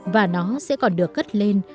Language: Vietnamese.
và nó sẽ còn được cất lên